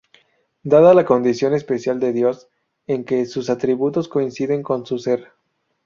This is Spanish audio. Dada la condición especial de Dios, en que "sus atributos coinciden con su ser".